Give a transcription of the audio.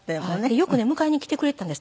よくね迎えに来てくれていたんです。